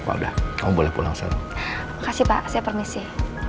terima kasih pak saya permisi